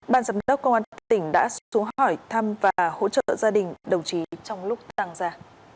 ban giám đốc công an tỉnh đã xuống hỏi thăm và hỗ trợ gia đình đồng chí trong lúc tăng ra